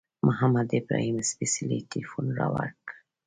محمد ابراهیم سپېڅلي تیلفون را وکړ.